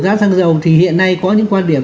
giá xăng dầu thì hiện nay có những quan điểm